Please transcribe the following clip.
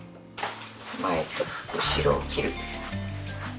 前と後ろを切る。